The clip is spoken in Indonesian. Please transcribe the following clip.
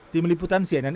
tim meliputan cnnn